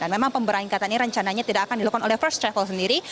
dan memang pemberangkatan ini rencananya tidak akan dilakukan oleh first travel sendiri